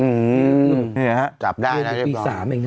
อืมจับได้นะเรียบร้อย